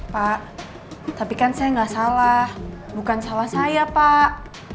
pak tapi kan saya nggak salah bukan salah saya pak